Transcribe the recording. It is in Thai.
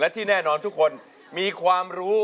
ที่แน่นอนทุกคนมีความรู้